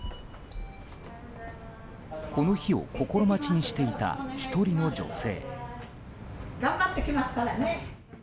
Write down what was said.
この日を心待ちにしていた１人の女性。